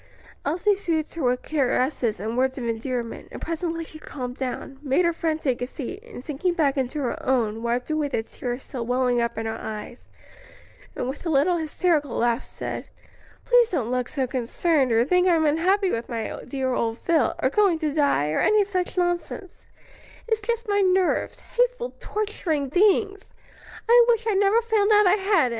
Elsie soothed her with caresses and words of endearment, and presently she calmed down, made her friend take a seat, and sinking back into her own, wiped away the tears still welling up in her eyes, and with a little hysterical laugh said, "Please don't look so concerned, or think I'm unhappy with my dear old Phil, or going to die, or any such nonsense: it's just my nerves; hateful, torturing things! I wish I'd never found out I had any."